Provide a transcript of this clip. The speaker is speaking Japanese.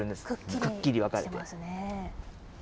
くっきり分かれて。